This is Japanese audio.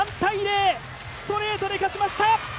ストレートで勝ちました！